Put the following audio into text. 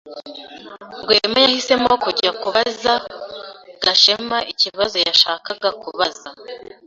Rwema yahisemo kujya kubaza Gashema ikibazo yashakaga kubaza.